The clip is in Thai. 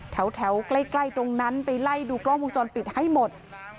แถวใกล้ตรงนั้นไปไล่ดูกล้องวงจรปิดให้หมด